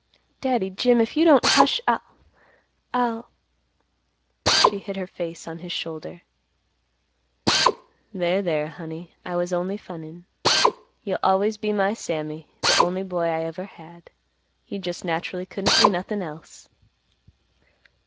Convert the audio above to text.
"Daddy Jim, if you don't—hush—I'll—I'll—" she hid her face on his shoulder. "There, there, honey; I was only funnin'. You'll always be my Sammy; the only boy I ever had. You just naturally couldn't be nothin' else."